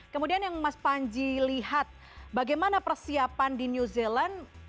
kemudian yang mas panji lihat bagaimana persiapan di new zealand